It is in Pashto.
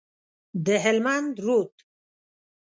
د هلمند رود،